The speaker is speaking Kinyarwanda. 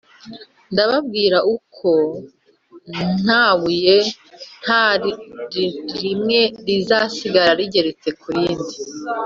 Ndababwira ukuri ko na buye nta rimwe rizasigara rigeretse kurindi